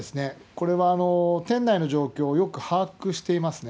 これは店内の状況をよく把握していますね。